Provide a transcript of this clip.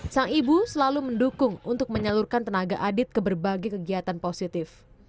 sang ibu selalu mendukung untuk menyalurkan tenaga adit ke berbagai kegiatan positif